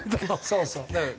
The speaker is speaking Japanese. そうそう。